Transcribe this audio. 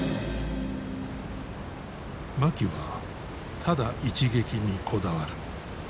マキはただ一撃にこだわる。